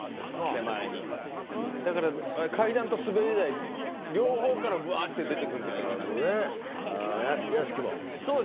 手前にだから階段と滑り台両方からバーッて出てくるんじゃないかなとなるほどね屋敷もそうですね